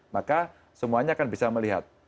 maka semuanya akan bisa melihat